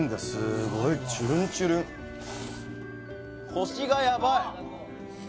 コシがやばい！